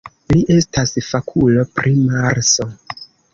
Li estas fakulo pri Marso.